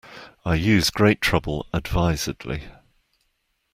I use great trouble advisedly.